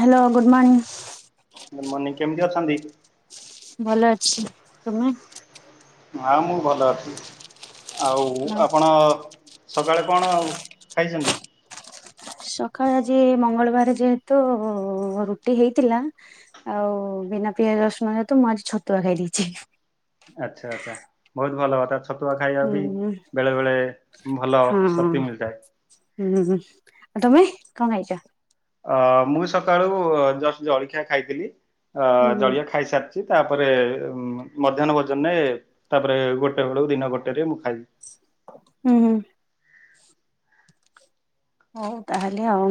Hello good morning. Good morning -କେମିତି ଅଛନ୍ତି? ଭଲ ଅଛି। ତୁମେ? ଆଉ ମୁଁ ଭଲ ଅଛି ଆଉ ଆପଣ ସକାଳେ କଣ ଆଉ ଖାଇଚନ୍ତି? ସକାଳେ ଆଜି ମଙ୍ଗଳବାର ଯେହେତୁ ରୁଟି ହେଇଥିଲା ଆଉ ବିନା ପିଆଜ ରସୁଣ ହେତୁ ମୁଁ ଆଜି ଛତୁଆ ଖାଇ ଦେଇଚି। ଆଚ୍ଛା ଆଚ୍ଛା ବହୁତ୍ ଭଲ କଥା। ଛତୁଆ ଖାଇବା ବି ହୁଁ ବେଳେ ବେଳେ ଭଲ ହଁ ଶକ୍ତି ମିଳିଥାଏ। ହୁଁ- ହୁଁ-ହୁଁ- ଆ ତମେ କଣ ଖାଇଚ? ଅ- ମୁଁ ସକାଳୁ ଜଷ୍ଟ୍ ଜଳଖିଆ ଖାଇଥିଲି ଅ- ହୁଁ ହୁଁ ଜଳଖିଆ ଖାଇସାରିି ତାପରେ ଉଁ ମଧ୍ୟାହ୍ନ ଭୋଜନରେ ତାପରେ ଗୋଟେ ବେଳକୁ ଦିନ ଗୋଟେ ରେ ମୁଁ ଖାଇ ହୁଁ- ହୁଁ। ହଉ ତାହେଲେ ଆଉ।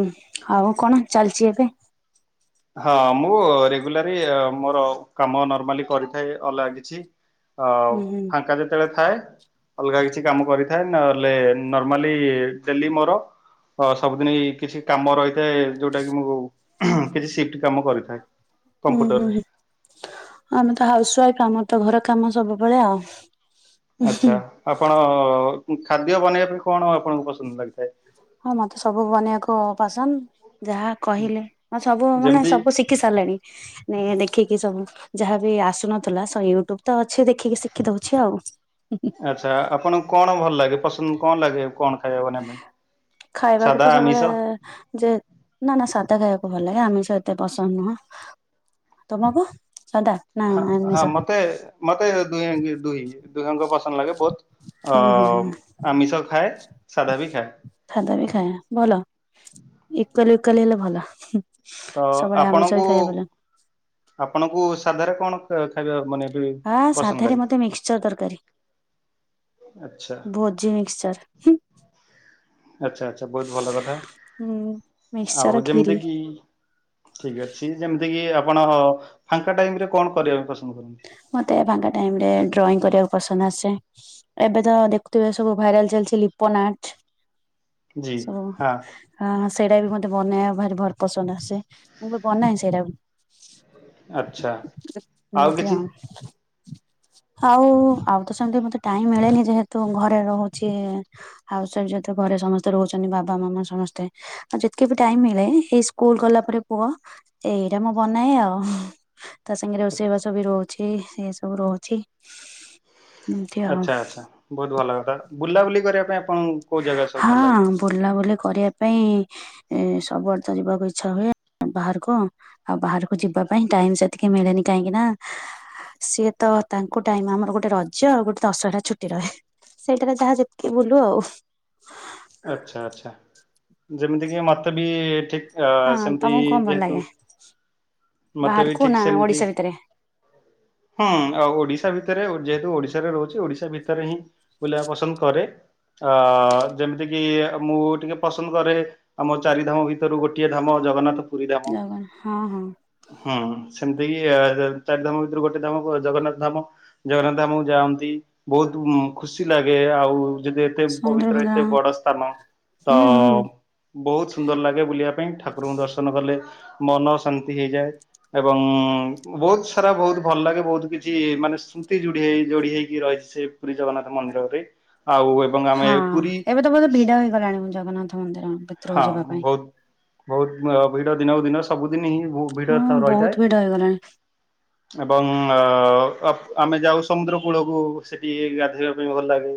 ଆଉ କଣ ଚାଲିଚି ଏବେ? ହଁ ମୁଁ ରେଗୁଲାରି ମୋର କାମ ନର୍ମାଲି କରିଥାଏ ଅଲଗା କିଛି। ଅ- ହୁଁ ହୁଁ ଫାଙ୍କା ଯେତେବେଳେ ଥାଏ। ଅଲଗା କିଛି କାମ କରିଥାଏ ନହେଲେ ନର୍ମାଲି ଡେଲି ମୋର ଅ- ସବୁଦିନି କିଛି କାମ ରହିଥାଏ ଯଉଟା କି ମୁଁ କିଛି ସିଫ୍ଟ୍ କାମ କରିଥାଏ। ଉୁଁ- କମ୍ପ୍ୟୁଟରରେ। ହୁଁ-ହୁଁ ଆମେ ତ ହାଉସ୍ ୱାଇଫ୍ ଆମର ତ ଘର କାମ ସବୁବେଳେ ଆଉ। ଆଛା ଆପଣ ଖାଦ୍ୟ ବନେଇବା ପାଇଁ କଣ ଆପଣଙ୍କୁ ପସନ୍ଦ ଲାଗିଥାଏ? ହଁ ମତେ ସବୁ ବନେଇବାକୁ ପସନ୍ଦ୍ ଯାହା କହିଲେ ମତେ ସବୁ ମାନେ ଯେମିତି ସବୁ ଶିକ୍ ଶିକି ସାରିଲାଣି ନେ -ଇଏ ଦେଖିକି ସବୁ। ଯାହା ବିି ଆସୁନଥିଲା ସ- ୟୁଟ୍ୟୁବ୍ ତ ଅଛି ଦେଖିକି ଶିକି ଦଉଚି ଆଉ। ଆଚ୍ଛା ଆପଣଙ୍କୁ କଣ ଭଲ ଲାଗେ ପସନ୍ଦ୍ କଣ ଲାଗେ କଣ? ଖାଇବା ବନେଇବା ପାଇଁ? ଖାଇବାକୁ ସାଧା ତ ସବୁବେଳେ ଆମିଷ? ଯେ ନା- ନା ସାଦା ଖାଇବାକୁ ଭଲ ଲାଗେ ଆମିଷ ଏତେ ପସନ୍ଦ୍ ନୁହଁ। ତମକୁ ସାଧା? ନା ହଁ ହଁ ଆମିଷ? ମତେ ମତେ ଦୁହେ -ଦୁଇ- ଦୁହେଁ ଙ୍କୁ ପସନ୍ଦ୍ ଲାଗେ ବୋଥ୍। ହୁଁ ହୁଁ ହୁଁ ଅ- ଆମିଷ ଖାଏ ସାଧା ବି ଖାଏ। ସାଧା ବି ଖାଏ ଭଲ ଇକ୍ୱାଲି -ଇକ୍ୱାଲି ହେଲେ ଭଲ। ତ ସବୁବେଳେ ଆମିଷ ଆପଣଙ୍କୁ ବି ଖାଇବା ଭଲ। ଆପଣଙ୍କୁ ସାଧାରେ କଣ ଖାଇବା ମାନେ ବି ଆ- ପସନ୍ଦ ସାଧାରେ ଲାଗେ? ମୋତେ ମିକ୍ସଚର୍ ତରକାରୀ। ଆଚ୍ଛା ଭୋଜି ମିକ୍ସଚର୍। ଆଚ୍ଛା ଆଚ୍ଛା ବହୁତ୍ ଭଲ କଥା। ମିକ୍ସଚର ଆଉ ଯେମିତି ଖିରି କି ଠିକ୍ ଅଛି ଯେମିତି କିି ଆପଣ ଫାଙ୍କା ଟାଇମ୍ ରେ କଣ କରିବା ପାଇଁ ପସନ୍ଦ କରନ୍ତି? ମତେ ଫାଙ୍କା ଟାଇମ୍ ରେ ଡ୍ରଇଂ କରିବାକୁ ପସନ୍ଦ୍ ଆସେ। ଏବେ ତ ଦେଖୁଥିବେ ସବୁ ଭାଇରାଲ୍ ଚାଲିଚି ଲିପୋ ନାଟ୍ ଜି ସବୁ ହଁ ଆ- ହଁ ସେଇଟା ବି ମତେ ବନେଇବା ଭାରି ଭଲ- ପସନ୍ଦ୍ ଆସେ ମୁଁ ବି ବନାଏ ସେଇଟାକୁ। ଆଚ୍ଛା ଆଉ ଏମିତି କିଛି ଆଉ ଆଉ ଆଉ ତ ସେମିତି ମତେ ଟାଇମ ମିଳେନି ଯେହେତୁ ଘରେ ରହୁଛି। ହାଉସ ୱାଇଫ ଯେହେତୁ ଘରେ ସମସ୍ତେ ରହୁଛନ୍ତି ବାବା ମାମା ସମସ୍ତେ। ଆଉ ଯେତିକେ ବି ଟାଇମ ମିଳେ ଏଇ ସ୍କୁଲ ଗଲା ପରେ ପୁଅ। ଏଇଟା ମୁଁ ବନାଏ ଆଉ। ତା ସାଙ୍ଗରେ ରୋଷେଇବାସ ବି ରହୁଛି ଏ ସବୁ ରହୁଛି। ଏମିତି ଆଉ। ଆଚ୍ଛା ଆଚ୍ଛା ବହୁତ ଭଲ କଥା ବୁଲାବୁଲି କରିବା ପାଇଁ ଆପଣଙ୍କୁ କୋଉ ଜାଗା ସବୁ ଭଲ ଲାଗେ? ହଁ ବୁଲାବୁଲି କରିବା ପାଇଁ ଏ ସବୁଆଡେ ତ ଯିବାକୁ ଇଚ୍ଛା ହୁଏ ବାହାରକୁ ଆଉ ବାହାରକୁ ଯିବା ପାଇଁ ଟାଇମ ସେତିକି ମିଳେନି କାହିଁକି ନା? ସିଏ ତ ତାଙ୍କୁ ଟାଇମ ଆମର ଗୋଟେ ରଜ ଆଉ ଗୋଟେ ଦଶହଟା ଛୁଟି ରହେ। ସେଇଟାରେ ଯାହା ଯେତିକି ବୁଲୁ ଆଉ ଆଚ୍ଛା ଆଚ୍ଛା ଯେମିତିକି ମତେ ବି ଠିକ ହଁ ସେମିତି ତମକୁ କଣ ଭଲ ଯେହେତୁ ଲାଗେ ମତେ ବି ବାହାରକୁ ଠିକ୍ ନା ସେମିତି ଓଡିଶା ଭିତରେ ହୁଁ ଆଉ ଓଡିଶା ଭିତରେ ଯେହେତୁ ଓଡିଶାରେ ରହୁଛି ଓଡିଶା ଭିତରେ ହିଁ ବୁଲିଆ ପସନ୍ଦ କରେ ଆ ଯେମିତି କିି ମୁଁ ଟିକେ ପସନ୍ଦ କରେ ଆମର ଚାରି ଧାମ ଭିତରୁ ଗୋଟିଏ ଧାମ ଜଗନ୍ନାଥ ପୁରୀ ଧାମ ଜଗ ହଁ ହଁ। ହଁ ସେମିତିକି ଚାରି ଧାମ ଭିତରୁ ଗୋଟେ ଧାମ ଜଗନ୍ନାଥ ଧାମ। ଜଗନ୍ନାଥ ଧାମକୁ ଯାଆନ୍ତି ବହୁତ ଖୁସି ଲାଗେ ଆଉ ଯଦି ଏତେ ସମୁଦ୍ର ପବିତ୍ର ଫନ୍ଦ୍ର ଏତେ ବଡ ସ୍ଥାନ ତ ହୁଁ ହୁଁ ବହୁତ ସୁନ୍ଦର ଲାଗେ ବୁଲିବା ପାଇଁ ଠାକୁରଙ୍କୁ ଦର୍ଶନ କଲେ ମନ ଶାନ୍ତି ହେଇଯାଏ। ଏବଂ ବହୁତ ସାରା ବହୁତ ଭଲ ଲାଗେ ବହୁତ କିଛି ମାନେ ସ୍ମୁତି ଯୋଡି ହେଇ ଯୋଡି ହେଇକି ରହିଛି ସେ ପୁରୀ ଜଗନ୍ନାଥ ମନ୍ଦିରରେ ଆଉ ଏ ହଁ ଏବେ ତ ବହୁତ ଭିଡ ହେଇଗଲାଣି ଜଗନ୍ନାଥ ମନ୍ଦିର। ଭିତରକୁ ହଁ ଯିବା ପାଇଁ ବହୁତ ବହୁତ ଭିଡ ଦିନକୁ ଦିନ ସବୁଦିନି ହିଁ। ଭିଡ ହଁ ରହିଥାଏ। ବହୁତ ଭିଡ ହେଇଗଲାଣି। [unintelligible] ଏବଂ ଆମେ ଯାଉ ସମୁଦ୍ର କୂଳକୁ ସେଠି ଗାଧୋଇବା ପାଇଁ ଭଲ ଲାଗେ।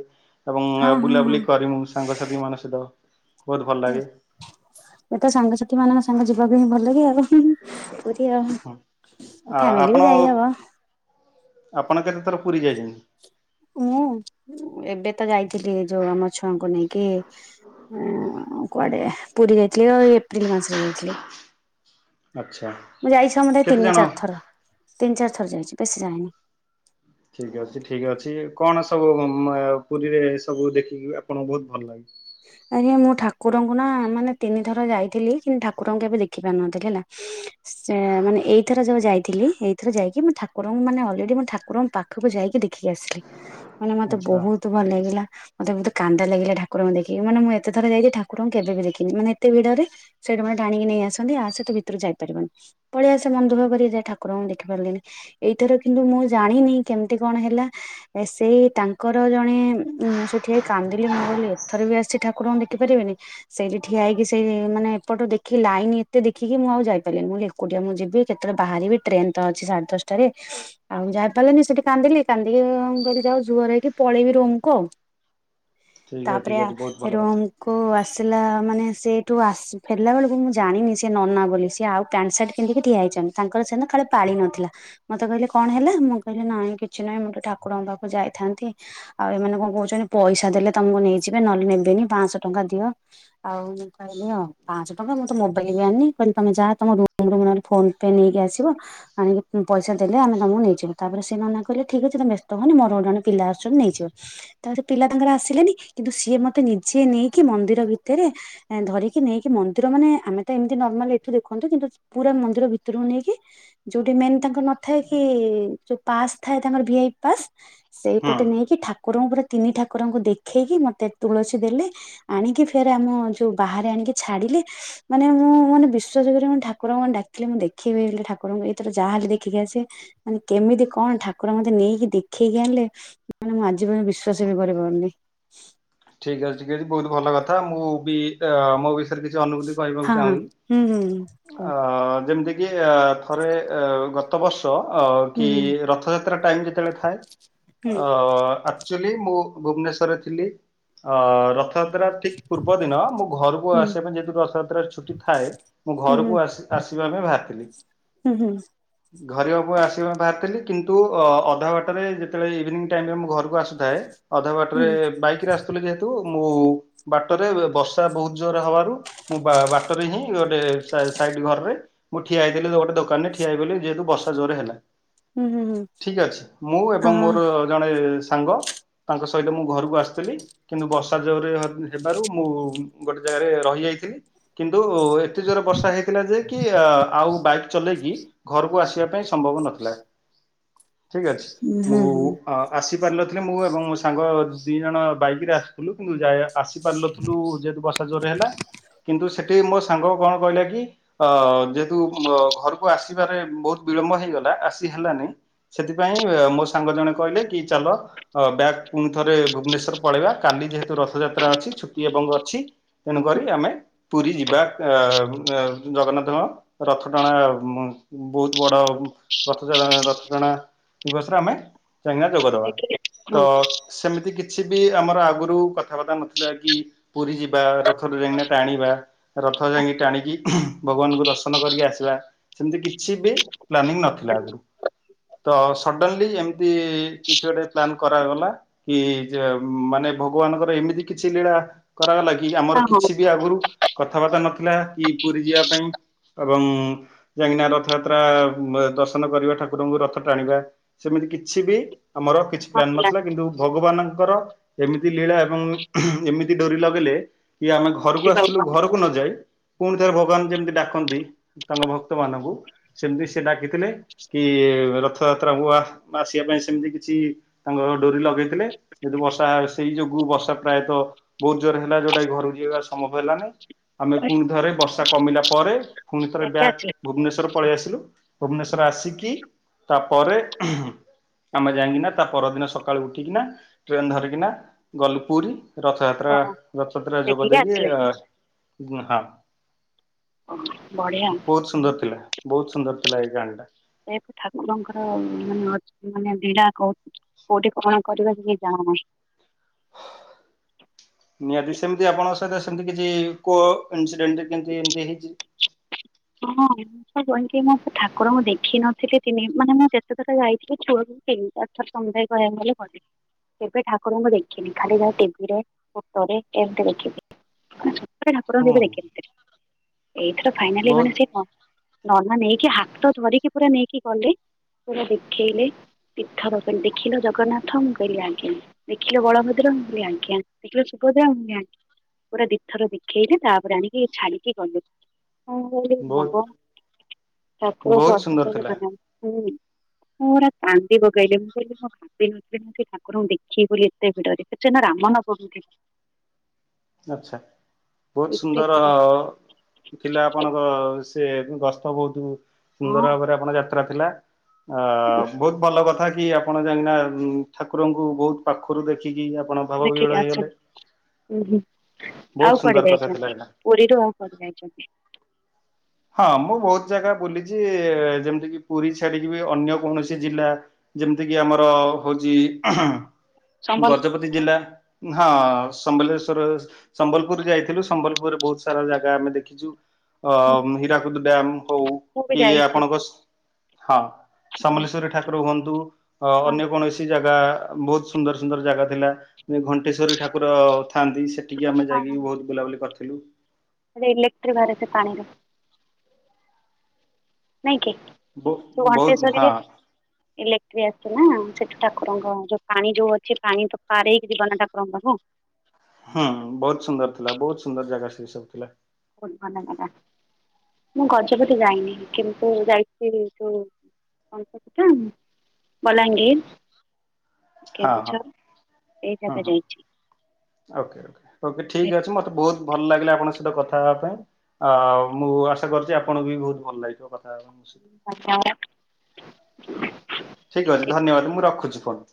ଏବଂ ହଁ ହଁ ବୁଲାବୁଲି ହଁ କରି ମୁ ସାଙ୍ଗସାଥି ମାନଙ୍କ ସହିତ ବହୁତ ଭଲ ଏ ଲାଗେ। ମତେ ସାଙ୍ଗସାଥି ମାନଙ୍କ ସାଙ୍ଗ ଯିବାକୁ ହିଁ ଭଲ ଲାଗେ ଆଉ ପୁରୀ ଆଉ ଆ ଆଉ ଫ୍ୟାମିଲି ଆପଣ ବି ଯାଇ ହବ। ଆପଣ କେତେଥର ପୁରୀ ଯାଇଛନ୍ତି? ମୁଁ ଏବେ ତ ଯାଇଥିଲି ଯୋଉ ଆମ ଛୁଆଙ୍କୁ ନେଇକି କୁଆଡେ ପୁରୀ ଯାଇଥିଲି ଆଉ ଏପ୍ରିଲ ମାସରେ ଯାଇଥିଲି। ଆଚ୍ଛା ମୁଁ ଯାଇଛି ମୋଟେ କେତେ ତିନି ଜଣ? ଚାରି ଥର ତିନି ଚାରି ଥର ଯାଇଛି ବେଶୀ ଯାଇନି। ଠିକ ଅଛି ଠିକ ଅଛି କଣ ସବୁ ମ ପୁରୀରେ ସବୁ ଦେଖିକି ଆପଣଙ୍କୁ ବହୁତ ଭଲ ଲାଗେ। ଆଜ୍ଞା ମୁଁ ଠାକୁରଙ୍କୁ ନା ମାନେ ତିନି ଥର ଯାଇଥିଲି କିନ୍ତୁ ଠାକୁରଙ୍କୁ କେବେ ଦେଖି ପାରୁନଥିଲି ହେଲା। ସେ ମାନେ ଏଇ ଏଥର ଯୋଉ ଯାଇଥିଲ ଏଇଥର ଯାଇକି ମୁଁ ଠାରଙ୍କୁମାନେ ଅଲରେଡି ମୁଁ ଠାକୁରଙ୍କ ପାଖକୁ ଯାଇକି ଦେଖି ଖିକି ଆସିଲି ମାନେ ମତେ ଆଚ୍ଛା ବହୁତ ଭଲ ଲାଗିଲା ମତେ ବହୁତ କାନ୍ଦ ଲାଗିଲା ଠାକୁରଙ୍କୁ ଦେଖି ଏ ମାନେ ମୁଁ ଏତେଥର ଯାଇକି ଠାକୁରଙ୍କୁ କେବେ ବି ଦେଖିନି ମାନେ ଏତେ ଭିଡରେ ସେଇଠୁ ମତେ ଟାଣିକି ନେଇ ଆସନ୍ତି ଆସ ତୁ ଭିତରୁ ଯାଇପାରିବନି। ପଳେଇ ଆସେ ମନ ଦୁଃଖ କରି ଯାଇ କରି ଠାକୁରଙ୍କୁ ଦେଖିପାରିଲିନି। ଏଇଥର କିନ୍ତୁ ମୁଁ ଜାଣିନି କେମିତି କଣ ହେଲା ସେ ତାଙ୍କ ତାଙ୍କର ଜଣେ ଉଁ ମୁଁ ସେଠି ହେଇ କାନ୍ଦିଲି ମୁଁ କହିଲି ଏଥର ବି ଆସଚି ଠାକୁରଙ୍କୁ ଦେଖିପାରିବିନି। ସେଇଠି ଠିଆ ହେଇକି ସେଇ ମାନେ ଏପଟୁ ଦେଖି ଲାଇନି ଏତେ ଦେଖିକି ମୁଁ ଆଉ ଯାଇପାଇଲିନି ମୁଁ ଅଲି ଏ ଏକୁଟିଆ ମୁଁ ଯିବି କେତେବେଳେ ବାହାରିବି ଟ୍ରେନ ତ ଅଛି ସାଢେ ଦଶଟାରେ ଆଉ ମୁଁ ଯାଇପାରଲିନି ସେଠି କାନ୍ଦିଲି କାନ୍ଦିକି ଆ ମୁଁ କହିଲି ଯାହୋଉ ଜୁହାର ହେଇକି ପଳେଇମି ରୁମକୁ ଆଉ। ଠିକ ଅଛି ତାପରେ ଠିକ ଆ ଅଛି ବହୁତ ସେ ଭଲ କଥା ରୁମ୍ କୁ ଆସିଲା ମାନେ ସେଇଠୁ ଆସ ଫେରଲା ବେଳୁକୁ ମୁଁ ଜାଣିନି ସିଏ ନନା ବୋଲି ସିଏ ଆଉ ପ୍ୟାଣ୍ଟ ସାର୍ଟ ପିନ୍ଧିକି ଠିଆ ହେଇଚନ୍ତି ତାଙ୍କର ସେଦିନ କାଳେ ପାଳି ନଥିଲା। ମତେ କହିଲେ କଣ ହେଲା ମୁଁ କହିଲି ନାଇଁ କିଛି ନାଇଁ ମୁଁ ଟିକେ ଠାକୁରଙ୍କ ପାଖକୁ ଯାଇଥାନ୍ତି। ଆଉ ଏମାନେ କଣ କୋହୁଚନ୍ତି ପଇସା ଦେଲେ ତମୁକୁ ନେଇଯିବେ ନହେଲେ ନେବେନି ପାଆଂଶ ଟଙ୍କା ଦିଅ ଆଉ କହିଲି ଆଉ ପାଆଂଶ ଟଙ୍କା ମୁଁ ତ ମୋବାଇଲି ବି ଆଣନି କହିଲେ ତମେ ଯା ତମ ରୁମରୁ ନହଲେ ଫୋନ ପେ ନେଇକି ଆସିବ ଆଣିକି ଉଁ ପଇସା ଦେଲେ ଆମେ ତମକୁ ନେଇଯିବୁ ତାପରେ ସେ ନନା କହିଲେ ଠିକ ଅଛି ତମେ ବ୍ୟସ୍ତ ହୁଅନି ମୋର ଜଣେ ପିଲା ଆସଚନ୍ତି ନେଇଯିବ। ତାପରେ ସେ ପିଲା ତାଙ୍କର ଆସିଲେନି କିନ୍ତୁ ସିଏ ମତେ ନିଜେ ନେଇକି ମନ୍ଦିର ଭିତରେ ଆଁ ଧରିକି ନେଇକି ମନ୍ଦିର ମାନେ ଆମେ ତ ଏମତି ନର୍ମାଲି ଏଠୁ ଦେଖନ୍ତୁ କିନ୍ତୁ ପୁରା ମନ୍ଦିର ଭିତରୁକୁ ନେଇକି ଯୋଉଠି ମେନ୍ ତାଙ୍କର ନଥାଏ କି ଯୋଉ ପାସ୍ ଥାଏ ତାଙ୍କର ଭି ଆଇ ପି ପାସ୍ ହୁଁ। ସେଇପଟେ ନେଇକି ଠାକୁରଙ୍କୁ ପୁରା ତିନି ଠାକୁରଙ୍କୁ ଦେଖେଇ କି ମତେ ତୁଳସୀ ଦେଲେ ଆଣିକି ଫେର ଆମ ଯୋଉ ବାହାରେ ଆଣିକି ଛାଡିଲି ମାନେ ମୁଁ ମାନେ ବିଶ୍ୱାସ କରିବନି ଠାରଙ୍କୁ ମାନେ ଡାକିଲି ମୁଁ ଦେଖିବି ବୋଲି ଠାକୁରଙ୍କୁ ଏଇଥର ଯାହାଲେ ଦେଖିକି ଆସିବି ମାନେ କେମିତି କଣ ଠାକୁର ମତେ ନେଇକି ଦେଖେଇକି ଆଣିଲେ ମାନେ ମୁଁ ଆଜି ପର୍ଯ୍ୟନ୍ତ ବିଶ୍ଵାସ ବି କରିପାରୁନେଇ। ଠିକ ଅଛି ଠିକ ଅଛି ବୋହୁତ ଭଲ କଥା ମୁଁ ବି ଅ ମୋ ବିଷ ୟରେ କିଛି ଅନୁଭୂତି କହିବାକୁ ହଁ ଚାହୁଁନି ହଁ ହୁଁ ହୁଁ ହୁଁ କହ ଆ ଯେମତି ବି ଏ ଥରେ ଏ ଗତ ବର୍ଷ୍ ତ ଅ ହୁଁ କି ରଥଯାତ୍ରା ଟାଇମ ଯେତେବେଳେ ଥାଏ ହୁଁ ଅ ଆକ୍ ଚୋଲି ମୁଁ ଭୁବନେଶ୍ଵରରେ ଥିଲି ଅ ରଥଯାତ୍ରା ଠିକ ପୂର୍ବ ଦିନ ମୁଁ ଘରୁକୁ ହୁଁ ଆସିବା ପାଇଁ ଯେହେତୁ ରଥଯାତ୍ରରେ ଛୁଟି ଥାଏ ମୁଁ ହୁଁ ଘରକୁ ଆସି ଆସିବା ପାଇଁ ଭାରିଥିଲି ହୁଁ ହୁଁ। ହୁଁ ଧରିବାକୁ ଆସି ମୁଁ ବାହାରିଥିଲି କିନ୍ତୁ ଅ ଅଧା ବାଟରେ ଯେତେବେଳେ ଇଭିନିଂ ଟାଇମରେ ମୁଁ ଘରକୁ ଆସୁଥାଏ ଅଧା ହୁଁ ବାଟରେ ବାଇକରେ ଆସୁଥୁଲି ଯେହେତୁ ମୁଁ ବାଟରେ ବେ ବର୍ଷା ବୋହୁତ ଜୋରେ ହବାରୁ ମୁଁ ବା ବାଟରେ ହିଁ ଗୋଟେ ସା ସାଇଡ ଘରରେ ମୁଁ ଠିଆ ହେଇଥିଲି ଯୋଉ ଗୋଟେ ଦୋକାନରେ ଠିଆ ହେଇପଇଲି ଯେହେତୁ ବର୍ଷା ଜୋରେ ହେଲା। ହୁଁ ହୁଁ ହୁଁ ଠିକ ଅଛି ମୁଁ ଆ ଏବଂ ମୋର ଜଣେ ସାଙ୍ଗ ତାଙ୍କ ସହିତ ମୁଁ ଘରୁକୁ ଆସଥିଲି। କିନ୍ତୁ ବର୍ଷା ଜୋରରେ ହ ହେବାରୁ ମୁଁ ଗୋଟେ ଜାଗାରେ ରହି ଯାଇଥିଲି। କିନ୍ତୁ ଏତେ ଜୋରେ ବର୍ଷା ହେଇଥିଲା ଯେ କି ଆ ଆଉ ବାଇକ୍ ଚଲେଇକି ଘରୁକୁ ଆସିବା ପାଇଁ ସମ୍ଭବ ନଥିଲା ଠିକ ଅଛି ହୁଁ ମୁଁ ହୁଁ। ଅ ଆସିପାରିନଥିଲେ ମୁଁ ଏବଂ ମୋ ସାଙ୍ଗ ଦିଇ ଜଣ ବାଇକରେ ଆସ୍ ସୁଥୁଲୁ କିନ୍ତୁ ଯାଇ ଆ ଆସିପାରନଥୁଲୁ ଯେହେତୁ ବର୍ଷା ଜୋରରେ ହେଲା କିନ୍ତୁ ସେ ଏଠି ମୋ ସାଙ୍ଗ କଣ କହିଲାକି ଅ ଯେହେତୁ ମ ଘରକୁ ଆସିବାରେ ବୋହୁତ ବିଳମ୍ବ ହେଇଗଲା ଆସି ହେବାନେଇ ସେଥିପାଇଁ ମୋ ସାଙ୍ଗ ଜଣେ କହିଲେ କି ଚାଲ ଅ ବ୍ୟାକ୍ ପୁଣି ଥରେ ଭୁବନେଶ୍ୱର ପଳେଇବା କାଲି ଯେହେତୁ ରଥଯାତ୍ରା ଅଛି ଛୁଟି ଏବଂ ଅଛି ତେଣୁକରି ଆମେ ପୁରୀ ଯିବା ଏ ଏ ଜଗନ୍ନାଥଙ୍କ ରଥ ଟଣା ବହୁତ୍ ବଡ ରଥ [unintelligible] ରଥ ଟଣା। ଦିବସରେ ଆମେ [unintelligible] ଯୋଗଦବା, ଦେଖିକି ହଁ ତ ସେମିତି କିଛି ବି ଆମର ଆଗରୁ କଥାବାର୍ତ୍ତା ନଥିଲା କି ପୁରୀ ଯିବା ରଥଟା ଯାଇଁକିନା ଟାଣିବା। ରଥ ଯାଇଁକି ଟାଣିକି ଭଗବାନଙ୍କୁ ଦର୍ଶନ କରିକି ଆସିଲା, ସେମ୍ତି କି ଛିବି ପ୍ଲାନିଙ୍ଗ ନଥିଲା, ତ ସଡନ୍ଲି ଏମ୍ ତି କିଛି ଗୋଟେ ପ୍ଲନ୍ କରାଗଲା କି ଯେ ମାନେ ଭଗବାନଙ୍କର ଏମିତି କିଛି ଲୀଳା କରାଗଲା କି ଆମର ହଁ ହଁ କିଛି ବି ଆଗୁରୁ କଥାବାର୍ତ୍ତା ନଥିଲା, କି ପୁରୀ ଯିବା ପାଇଁ ଏବଂ ଯାଇଁକିନା ରଥଯାତ୍ରା ଦର୍ଶନ କରିବା, ଠାକୁରଙ୍କୁ ରଥ ଟାଣିବା। ସେମିତି କିଛି ବି ଆମର କିଛି ପ୍ଲାନ ନଥିଲା, କିନ୍ତୁ ଭଗବାନଙ୍କର ଏମିତି ଲୀଳା ଏବଂ ଏମିତି ଡୋରି ଲଗେଇଲେ କି ଆମେ ଘରୁକୁ ଆସୁଥିଲୁ ଘର କୁ ନ ଯାଇ, ପୁଣି ଥରେ ଭଗବାନ୍ ଯେମିତି ଡାକନ୍ତି ତାଙ୍କ ଭକ୍ତ ମାନଙ୍କୁ ସେମ୍ତି ସେ ଡାକିଥିଲେ କି ରଥଯାତ୍ରାକୁ ଆସିବା ପାଇଁ ସେମ୍ତି କିଛି ତାଙ୍କ ଡୋରି ଲଗେଇଥିଲେ, ଯଦି ବର ଷା ସେଇ ଯୋଗୁ ବର୍ଷା ପ୍ରାୟତଃ ବହୁତ୍ ଜୋରେ ହେଲା, ଯୋଉଟା କି ଘରକୁ ଯିବା ସମ୍ଭବ ହେଲା ନାହିଁ। ଆମେ ପୁଣି ଥରେ ବର୍ଷା କମିଲା ପରେ ପୁଣି ଥରେ ବ୍ୟାକ୍ ଭୁବନେଶ୍ଵର ପଳେଇ ଆସିଲୁ। ଭୁବନେଶ୍ୱର ଆସିକି ତାପରେ ଆମେ ଯାଇଁକିନା ତା ପରଦିନ ସକାଳୁ ଉଠିକିନା ଟ୍ରେନ୍ ଧରି କିନା ଗଲୁ ପୁରୀ ଓହ ରଥଯାତ୍ରା-ରଥଯାତ୍ରା ଯୋଗ ଦେଖିକି ଦେଇକି ଆସିଲେ ଅ [unintelligible] ବଢିଆ। ହଁ। ସୁନ୍ଦର୍ ଥିଲା ବହୁତ୍ ସୁନ୍ଦର୍ ଥିଲା ଏଇ ଗାଁ ଟା। ସେ ଠାକୁରଙ୍କର ମାନେ ଲୀଳାକୁ କୋଉଠି କଣ କରିବା କିଛି [unintelligible] ହ ନିହାତି ସେମ୍ତି ଆପଣଙ୍କ ସହିତ ସେମ୍ତି କିଛି କୋ ଇନସିଡେଣ୍ଟ କେମ୍ତି ଏମ୍ତି ହେଇଚି? ହଁ। [unintelligible] ମୁଁ ସେ ଠାରଙ୍କୁ ଦେଖିନଥିଲି, ମାନେ ମୁଁ ଯେତେଥର ଯାଇଥିଲି ଛୁଆ [unintelligible] ସମୁଦାୟ କହିବାକୁ ଗଲେ ଗୋଟେ। କେବେ ଠାକୁରଙ୍କୁ ଦେଖିନି, ଖାଲି ଯାହା ଟିଭିରେ, ଫୋଟୋରେ ଏମ୍ତି ଦେଖିଚି। [unintelligible] ଠାକୁରଙ୍କୁ ହୁଁ [unintelligible] ଦେଖିନଥିଲି, ଏଇଥର ଫାଇନାଲି ବହୁତ ମାନେ ହଁ ନନା ନେଇକି ହାତ ଧରିକି ପୁରା ନେଇକି ଗଲେ, ପୁରା ଦେଖେଇଲେ। ତୀର୍ଥ ଦର୍ଶନ ଦେଖିଲ ଜଗନ୍ନାଥ, ମୁଁ କହିଲି ଆଜ୍ଞା। ଦେଖିଲ ବଳଭଦ୍ର ମୁଁ କହିଲି ଆଜ୍ଞା, ଦେଖିଲ ସୁଭଦ୍ରା ମୁଁ [unintelligible] ଆଜ୍ଞା। ପୁରା ଦି ଥର ଦେଖେଇଲେ, ତାପରେ ଆଣିକି ଛାଡିକି ଗଲେ। ହଁ ବହୁତ ବା, ଠାକୁରଙ୍କୁ ବହୁତ ସୁନ୍ଦର ଅଶେଷ-ଅଶେଷ ଥିଲା ଧନ୍ୟବାଦ୍। ପୁରା କାନ୍ଦି ପକେଇଲି, ମୁଁ କହିଲି କଣ [unintelligible] ଠାକୁରଙ୍କୁ ଦେଖିବି ବୋଲି ଏତେ ଭିଡରେ, ସେଦିନ ରାମ ନବମୀ ଥିଲା। ଆଚ୍ଛା-ଆଚ୍ଛା, ବହୁତ୍ ଥିଲା ଏତେ ସୁନ୍ଦର ଭିଡ଼ ଥିଲା ଆପଣଙ୍କ ସେ ଗସ୍ତ ବହୁତୁ ସୁନ୍ଦର ଭାବରେ ହଁ ଆପଣଙ୍କ ଯାତ୍ରା ଥିଲା। ଅ ବହୁତ୍ ଭଲ କଥା କି ଆ ଆପଣ ଯାଇଁକିନା ଠାକୁରଙ୍କୁ ବହୁତ୍ ପାଖରୁ ଦେଖିକି ଆପଣ ଭାବ ବିହଳ ଦେଖିକି ହେଇଗଲେ [unintelligible] ହୁଁ-ହୁଁ ବହୁତ ଆଉ ସୁନ୍ଦର କୁଆଡେ କଥା ଥିଲା ଯାଇଚନ୍ତି? ଏଇଟା। ପୁରୀରୁ ଆଉ କୁଆଡେ ଯାଇଚନ୍ତି? ହଁ ମୁଁ ବହୁତ୍ ଜାଗା ବୁଲିଚି, ଯେମ୍ତି କି ପୁରୀ ଛାଡିକି ବି ଅନ୍ୟ କୌଣସି ଜିଲ୍ଲା ଯେମ୍ତି କିି ଆମର ହଉଚି ସମ୍ବଲପୁର ଗଜପତି ଜିଲ୍ଲା ହଁ ସମ୍ବେଲଶ୍ଵର ସମ୍ବଲପୁର ଯାଇଥିଲୁ ସମ୍ବଲପୁରରେ ବୋହୁତ ସାରା ଜାଗା ଆମେ ଦେଖିଚୁ। ଅ ହୀରାକୁଦ ଡ୍ୟାମ ହୋଉ ମୁଁ ବି କି ଯାଇଛି ଆପଣଙ୍କ ସ ହଁ ସମଲେଶ୍ୱୀରି ଠା ରୁହନ୍ତୁ ଅ ହଁ ଅନ୍ୟ ହଁ କୌଣସି ଜାଗା ବୋହୁତ ସୁନ୍ଦର ସୁନ୍ଦର ଜାଗା ଥିଲା। ଯେ ଘଣ୍ଟେଶ୍ୱରୀ ଠାକୁର ଥାଆନ୍ତି ସେଠିକି ଆମେ ଯାଇକି ବୋହୁତ ବୁଲାବୁଲି କରିଥିଲୁ। [unintelligible] ଇଲେକ୍ଟ୍ରି ବାହାରେ ସେ ପାଣିରୁ ନାଇଁ କି। ବ ତୁ ବହୁତ ହଁ ଘଣ୍ଟେଶ୍ୱରୀରେ ଇଲେକ୍ଟ୍ରି ଆସୁଚି ନା ସେଠି ଠାକୁରଙ୍କ ଯୋଉ ପାଣି ଯୋଉ ଅଛି ପାଣି ତ ପାର ହେଇକି ଯିବ ନା ଠାକୁରଙ୍କ ପାଖକୁ। ହୁଁ ବୋହୁତ ସୁନ୍ଦର ଥିଲା ବୋହୁତ ସୁନ୍ଦର ଜାଗା ସେ ସବୁ ଥିଲା। ବୋହୁତ ଭଲ ଲାଗା। ମୁଁ ଗଜପତି ଯାଇନି କିନ୍ତୁ ଯାଇଚି ଯୋଉ [unintelligible] ବଲାଙ୍ଗୀର ହଁ ହଁ କେନ୍ଦୁଝର ଏଇ ହଁ ଜାଗା ଯାଇଛି। ହଁ। ଓକେ ଓକେ ଓକେ ଠିକ୍ ଅଛି ମତେ ବୋହୁତ ଭଲ ଲାଗିଲା ଆପଣଙ୍କ ସହିତ କଥା ହବା ପାଇଁ। ଆଉ ମୁଁ ଆଶା କରୁଚି ଆପଣଙ୍କୁ ବି ବୋହୁତ ଭଲ ଲାଗିଥି କଥା ହବା ପାଇଁ ମୋ ସହିତ। ଆଜ୍ଞା ମ୍ୟାଡମ୍। ଠି ଅଛି ଆଜ୍ଞା ଧନ୍ୟବାଦ ମୁଁ ରଖୁଚି ଫୋନ୍।